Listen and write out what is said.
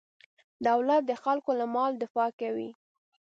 دولت د خلکو له مال دفاع کوي.